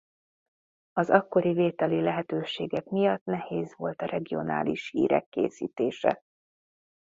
Az akkori vételi lehetőségek miatt nehéz volt a regionális hírek készítése.